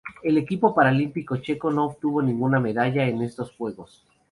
El equipo paralímpico checo no obtuvo ninguna medalla en estos Juegos.